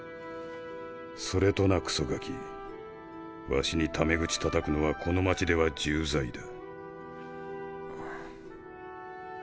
それとなクソガキ儂にタメ口たたくのはこの街では重罪だ。